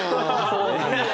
そうなんですよ。